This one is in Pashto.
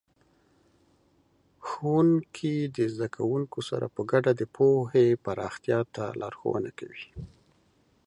ښوونکي د زده کوونکو سره په ګډه د پوهې پراختیا ته لارښوونه کوي.